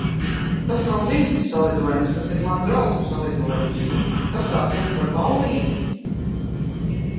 Tas nav dzimtas salidojums, tas ir manu draugu salidojums. Kas tā būtu pat ballīti?